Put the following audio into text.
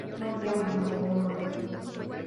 No había molinos.